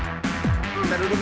saya akan tinggalkan youregg